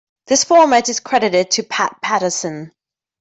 This format is credited to Pat Patterson.